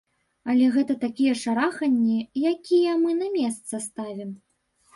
Але гэта такія шараханні, якія мы на месца ставім.